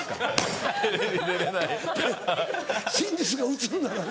真実が映るならな。